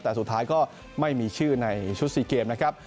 แต่สุดท้ายก็ไม่มีชื่อในชุด๔เกมนะครับ